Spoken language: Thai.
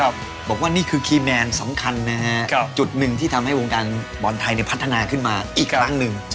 บอกว่านี่คือคีย์แมนสำคัญนะฮะจุดหนึ่งที่ทำให้วงการบอลไทยพัฒนาขึ้นมาอีกครั้งหนึ่ง